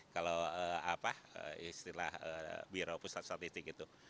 kalau apa istilah biro pusat statistik itu